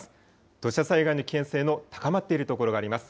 土砂災害の危険性の高まっているところがあります。